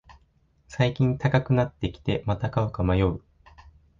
最近高くなってきて、また買うか迷う